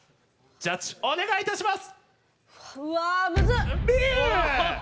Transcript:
ジャッジお願いします！